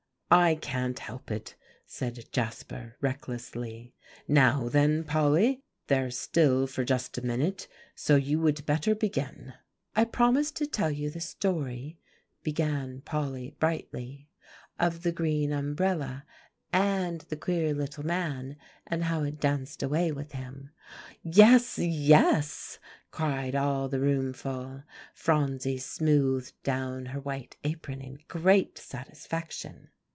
"I can't help it," said Jasper recklessly. "Now then, Polly, they're still for just a minute, so you would better begin." "I promised to tell you the story," began Polly brightly, "of the Green Umbrella and the Queer Little Man, and how it danced away with him." "Yes, yes!" cried all the roomful. Phronsie smoothed down her white apron in great satisfaction.